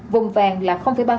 vùng vàng là ba